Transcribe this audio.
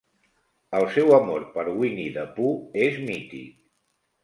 El seu amor per Winnie-the-Pooh és mític.